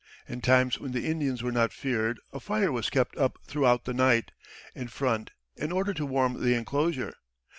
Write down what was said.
In times when the Indians were not feared a fire was kept up throughout the night, in front, in order to warm the enclosure.